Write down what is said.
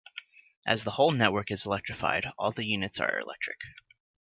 As the whole network is electrified, all the units are electric.